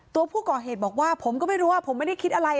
ตัวผู้ก่อเหตุบอกว่าผมก็ไม่รู้ว่าผมไม่ได้คิดอะไร